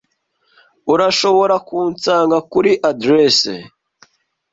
Urashobora kunsanga kuri aderesi